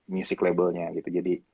music labelnya gitu jadi